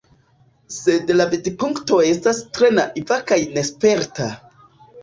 Sed la vidpunkto estas tre naiva kaj nesperta.